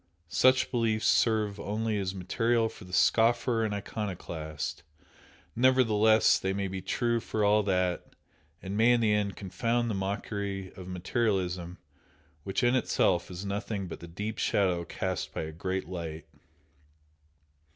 Such beliefs serve only as material for the scoffer and iconoclast, nevertheless they may be true for all that, and may in the end confound the mockery of materialism which in itself is nothing but the deep shadow cast by a great light.